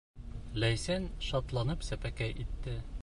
Ләйсән шатланып сәпәкәй итте.